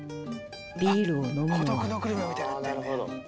ビールを飲むのは。